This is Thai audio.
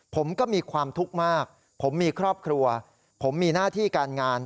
ผมก็มีความทุกข์มากผมมีครอบครัวผมมีหน้าที่การงาน